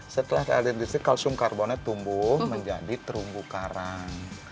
setelah kita alirin listrik kalsium karbonnya tumbuh menjadi terumbu karang